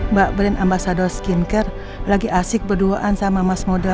mbak brain ambasado skincare lagi asik berduaan sama mas moda